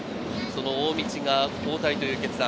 大道が交代という決断。